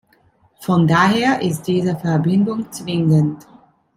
Von daher ist diese Verbindung zwingend.